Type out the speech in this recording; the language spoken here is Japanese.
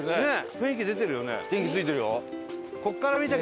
雰囲気出てるよね。